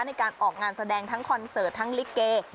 ในการออกงานแสดงทั้งคอนเสิร์ตทั้งลิเก